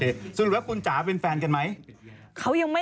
เดี๋ยวก็ไม่ต้องเอาคำเพลงด้วย